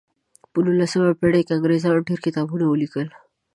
په نولسمه پیړۍ کې انګریزانو ډیر کتابونه ولیکل.